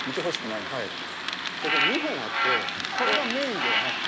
ここ２本あってこれがメインではなくて。